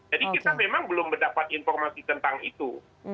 jadi kita memang belum mendapat informasi tentang itu